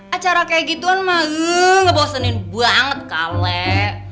acara kayak gituan mah ngebosenin banget kawet